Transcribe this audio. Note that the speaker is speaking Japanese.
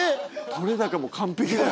撮れ高も完璧だよ。